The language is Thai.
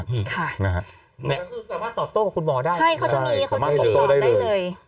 คือสามารถตอบโต้กับคุณหมอได้สามารถตอบโต้ได้เลย